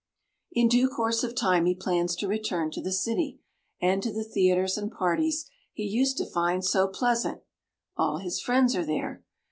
In due course of time, he plans to return to the city, and to the theatres and parties he used to find so pleasant. All his friends are there.